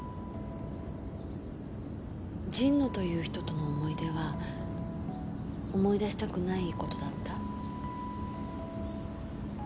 神野という人との思い出は思い出したくないことだった？